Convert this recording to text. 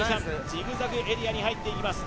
ジグザグエリアに入っていきます